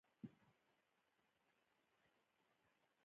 د سندرو اورېدل ځینې خلک خوشحاله کوي.